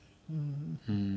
うん。